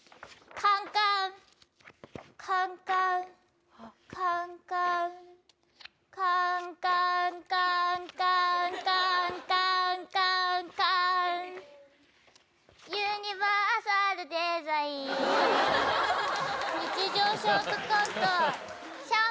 カンカンカンカンカンカン、カンカン、ユニバーサルデザイン。